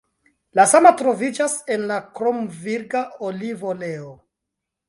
La sama troviĝas en la kromvirga olivoleo.